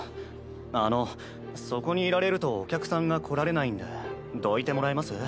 あのそこにいられるとお客さんが来られないんでどいてもらえます？